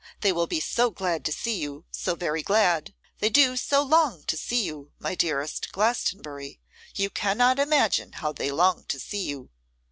They will be so glad to see you, so very glad. They do so long to see you, my dearest Glastonbury. You cannot imagine how they long to see you.